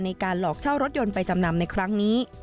ในการหลอกเช่ารถยนต์ไปจำนำในครั้งนี้